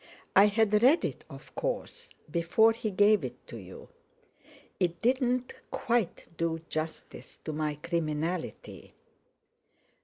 "I had read it, of course, before he gave it to you. It didn't quite do justice to my criminality."